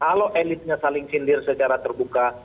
kalau elitnya saling sindir secara terbuka